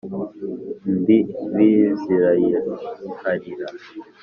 imbibi zirayiharira